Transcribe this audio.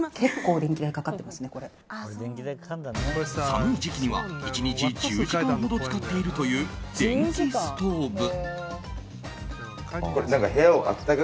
寒い時期には１日１０時間ほど使っているという電気ストーブ。